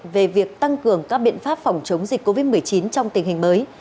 về việc tăng cường các biện pháp phòng chống dịch covid một mươi chín trong tình hình mới